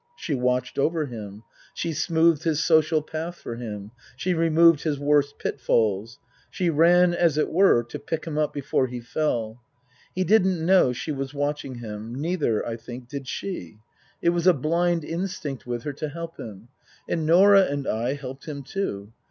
She watched over him ; she smoothed his social path for him ; she removed his worst pitfalls ; she ran, as it were, to pick him up before he fell. He didn't know she was watching him ; neither, I think, did she. It was a blind Book II : Her Book 151 instinct with her to help him. And Norah and I helped him too.